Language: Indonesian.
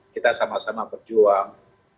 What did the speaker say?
kita sama sama berjuang